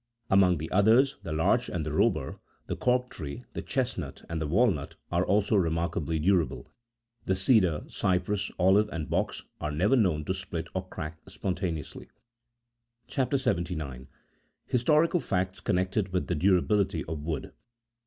Among the others, the larch, the robur, he cork tree, the chesnut, and the walnut are also remarkably durable. The cedar, cypress, olive, and box are never known to split or crack spontaneously. CHAP. 79.— HISTORICAL FACTS CONNECTED WITH THE DURABILITY OF WOOD.